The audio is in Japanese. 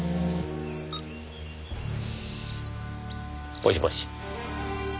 もしもし。